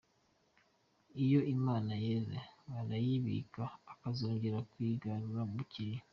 Iyo imana yeze arayibika, akazongera kuyiragura bukeye.